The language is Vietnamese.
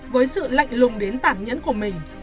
với sự lạnh lùng đến tản nhẫn của mình